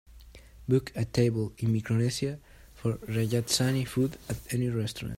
book a table in Micronesia for rajasthani food at any restaurant